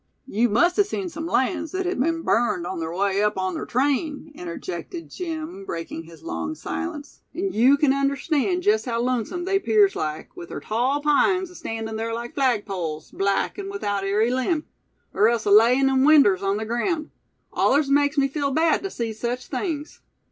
"Yeou must a seen sum lands thet hed be'n burned, on ther way up on ther train," interjected Jim, breaking his long silence; "an' yeou kin understan' jest how lonesum they 'pears like, with ther tall pines astandin' thar like flagpoles, black, and withaout ary limb; er else alayin' in windrows on ther ground. Allers makes me feel bad tew see sech things."